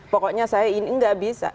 pokoknya saya ini nggak bisa